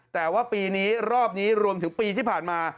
แต่ว่าปีนี้รอบนี้รวมถึงปีที่ผ่านมา